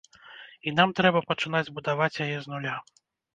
І нам трэба пачынаць будаваць яе з нуля.